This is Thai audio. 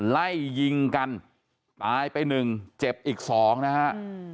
ไล่ยิงกันตายไปหนึ่งเจ็บอีกสองนะฮะ